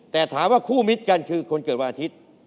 แต่ถามว่าคู่มิตรกันคือคนเกิดวันอาทิตย์